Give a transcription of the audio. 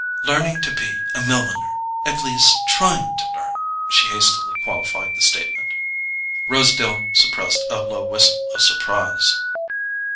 "Learning to be a milliner—at least TRYING to learn," she hastily qualified the statement. Rosedale suppressed a low whistle of surprise.